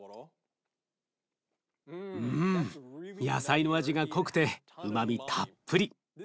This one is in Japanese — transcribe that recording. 野菜の味が濃くてうまみたっぷり。